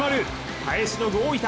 耐えしのぐ、大分。